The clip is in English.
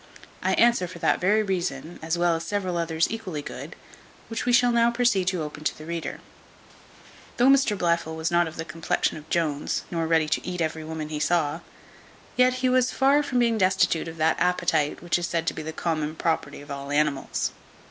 I answer, for that very reason, as well as for several others equally good, which we shall now proceed to open to the reader. Though Mr Blifil was not of the complexion of Jones, nor ready to eat every woman he saw; yet he was far from being destitute of that appetite which is said to be the common property of all animals.